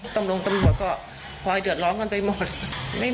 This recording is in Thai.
ตำรวจก็คอยเดือดร้อนกันไปหมด